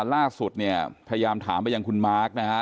ล่าสุดเนี่ยพยายามถามไปยังคุณมาร์คนะฮะ